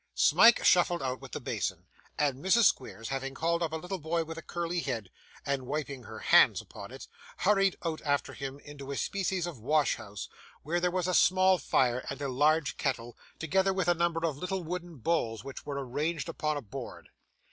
Smike shuffled out with the basin, and Mrs. Squeers having called up a little boy with a curly head, and wiped her hands upon it, hurried out after him into a species of wash house, where there was a small fire and a large kettle, together with a number of little wooden bowls which were arranged upon a board.